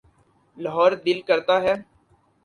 لاہور دل کرتا ہے۔